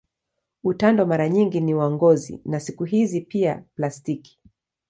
Utando mara nyingi ni wa ngozi na siku hizi pia plastiki.